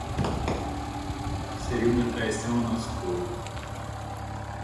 seria uma traição ao nosso povo